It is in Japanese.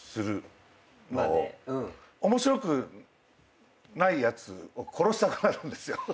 面白くないやつを殺したくなるんですよ。